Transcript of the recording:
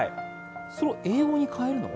それを英語に換えるの？